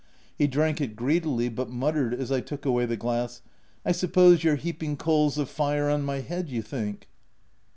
He drank it greedily, but muttered, as I took away the glass, —" I suppose you're heaping coals of fire on my head — you think."